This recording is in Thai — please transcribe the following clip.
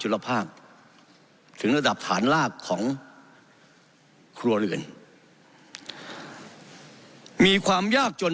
รภาคถึงระดับฐานลากของครัวเรือนมีความยากจน